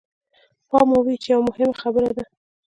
پام مو وي چې يوه مهمه خبره ده.